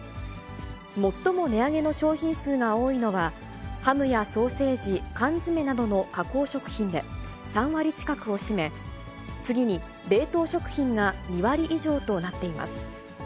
最も値上げの商品数が多いのは、ハムやソーセージ、缶詰などの加工食品で、３割近くを占め、次に冷凍食品が２割以上となっています。